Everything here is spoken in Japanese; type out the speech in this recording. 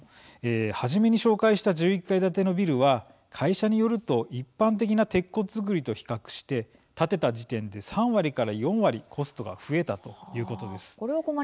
初めに紹介した１１階建てのビルは会社によると一般的な鉄骨造りと比較して建てた時点で３割から４割コストが増えたということです。